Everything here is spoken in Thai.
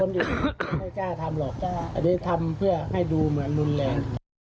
หือพอบอกทำให้ดูว่าแรง